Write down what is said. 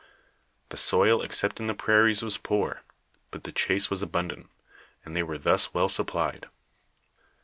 The soil except in the prairies was poor, bnt the chase was abundant, and they were thns well supplied.